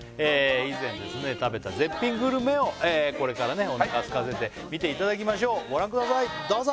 以前食べた絶品グルメをこれからおなかすかせて見ていただきましょうご覧くださいどうぞ！